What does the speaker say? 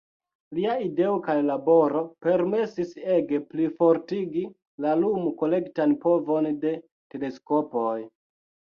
Lia ideo kaj laboro permesis ege plifortigi la lum-kolektan povon de teleskopoj.